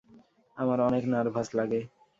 আমার অনেক নার্ভাস লাগে।